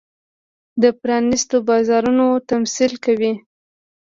د پرانېستو بازارونو تمثیل کوي.